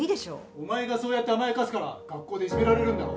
お前がそうやって甘やかすから学校でいじめられるんだろ